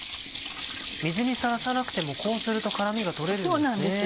水にさらさなくてもこうすると辛みが取れるんですね。